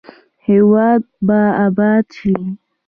هیواد به اباد شي؟